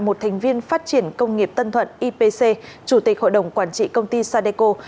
một thành viên phát triển công nghiệp tân thuận ipc chủ tịch hội đồng quản trị công ty sadeco